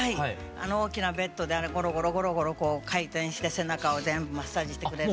あの大きなベッドであれゴロゴロゴロゴロ回転して背中を全部マッサージしてくれる。